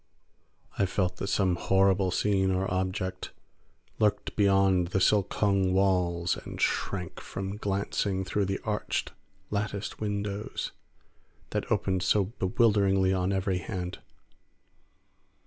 I felt that some horrible scene or object lurked beyond the silk hung walls, and shrank from glancing through the arched, latticed windows that opened so bewilderingly on every hand.